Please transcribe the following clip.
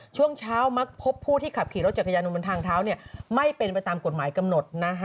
ช่วงเช้ามักพบผู้ที่ขับขี่รถจักรยานยนต์บนทางเท้าไม่เป็นไปตามกฎหมายกำหนด